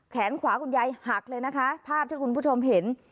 แขนขวาคุณยายหักเลยนะคะภาพที่คุณผู้ชมเห็น